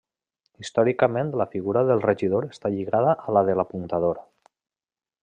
Històricament la figura del regidor està lligada a la de l'apuntador.